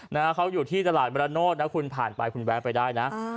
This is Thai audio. นะฮะเขาอยู่ที่ตลาดมรโนธนะคุณผ่านไปคุณแวะไปได้นะ